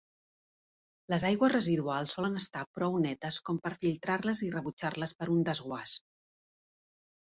Les aigües residuals solen estar prou netes com per filtrar-les i rebutjar-les per un desguàs.